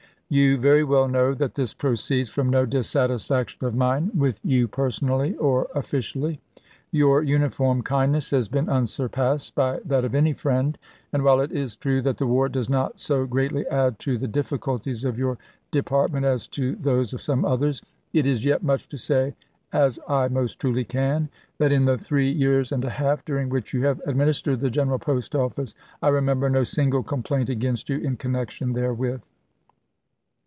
You very well know that this proceeds from no dissatisfaction of mine with CABINET CHANGES 341 you personally or officially. Your uniform kindness has been unsurpassed by that of any friend ; and while it is true that the war does not so greatly add to the diffi culties of your department as to those of some others, it is yet much to say, as I most truly can, that in the three years and a half during which you have administered the General Post office, I remember no single complaint against you in connection therewith.